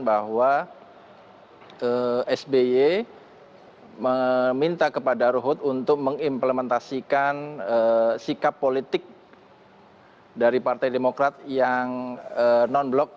bahwa sby meminta kepada ruhut untuk mengimplementasikan sikap politik dari partai demokrat yang non blok